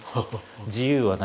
自由はない。